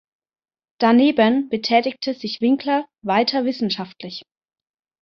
Daneben betätigte sich Winkler weiter wissenschaftlich.